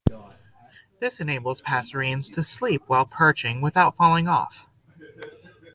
This enables passerines to sleep while perching without falling off.